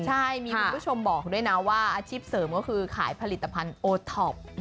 ใช่มีคุณผู้ชมบอกด้วยนะว่าอาชีพเสริมก็คือขายผลิตภัณฑ์โอท็อป